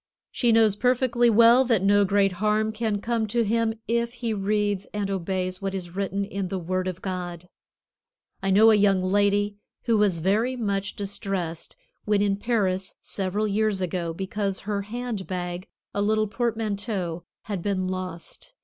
She knows perfectly well that no great harm can come to him, if he reads and obeys what is written in the Word of God. I know a young lady who was very much distressed when in Paris several years ago because her hand bag, a little portmanteau, had been lost.